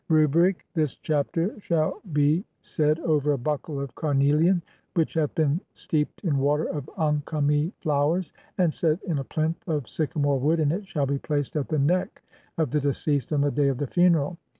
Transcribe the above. Rubric : [this chapter] shall be said over a buckle of car nelian, WHICH HATH BEEN STEEPED IN WATER OF ANKHAMI FLOWERS, AND SET (3) IN A PLINTH OF SYCAMORE WOOD, AND IT SHALL BE PLACED AT THE NECK OF THE DECEASED ON THE DAY OF THE FUNERAL.